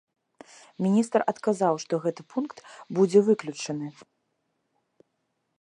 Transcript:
Міністр адказаў, што гэты пункт будзе выключаны.